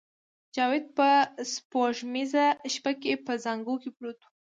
جاوید په سپوږمیزه شپه کې په زانګو کې پروت و